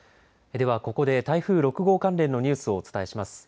ではここで台風６号関連のニュースをお伝えします。